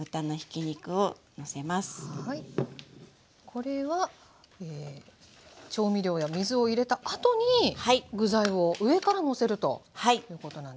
これは調味料や水を入れたあとに具材を上からのせるということなんですね？